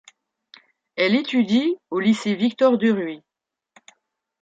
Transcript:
Elle étudie au lycée Victor-Duruy.